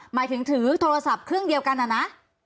หมายถึงถือโทรศัพท์เครื่องเดียวกันนะ